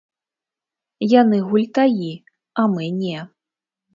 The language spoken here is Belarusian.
Яны гультаі, а мы не.